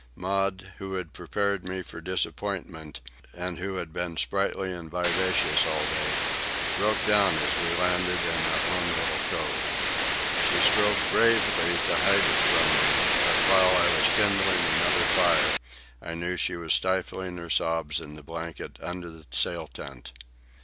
Maud, who had prepared me for disappointment, and who had been sprightly and vivacious all day, broke down as we landed in our own little cove. She strove bravely to hide it from me, but while I was kindling another fire I knew she was stifling her sobs in the blankets under the sail tent.